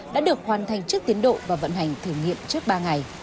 đã được hoàn thành trước tiến độ và vận hành thử nghiệm trước ba ngày